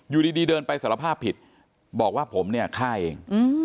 อยู่ดีเดินไปสารภาพผิดบอกว่าผมเนี่ยฆ่าเอง